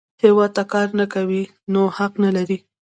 هیواد ته کار نه کوې، نو حق نه لرې